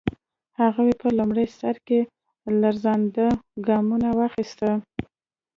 هغوی په لومړي سر کې لړزانده ګامونه واخیستل.